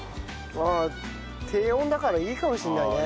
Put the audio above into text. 低温だからいいかもしれないね。